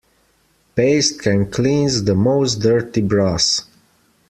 Paste can cleanse the most dirty brass.